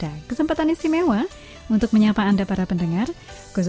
allah baik sungguh baik di setiap waktu